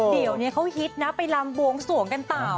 เดี๋ยวนี้เขาฮิตนะไปลำบวงสวงกันต่อ